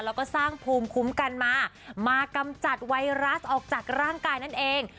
แล้วก็สร้างภูมิคุ้มกันมามากำจัดไวรัสออกจากร่างกายนั่นเอง